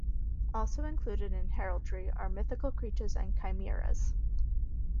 Also included in heraldry are Mythical creatures and chimeras.